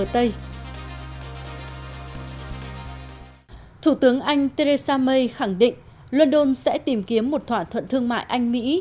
thủ tướng anh theresa may khẳng định london sẽ tìm kiếm một thỏa thuận thương mại anh mỹ